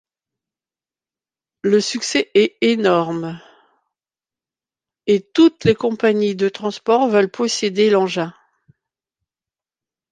Le succès est énorme et toutes les compagnies de transports veulent posséder l'engin.